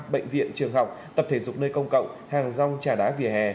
bệnh viện trường học tập thể dục nơi công cộng hàng rong trà đá vỉa hè